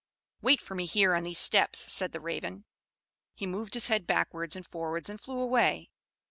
"Wait for me here on these steps," said the Raven. He moved his head backwards and forwards and flew away.